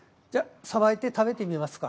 さばいて食べてみますか？